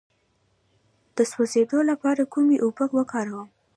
د سوځیدو لپاره کومې اوبه وکاروم؟